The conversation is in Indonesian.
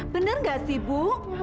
bener gak sih bu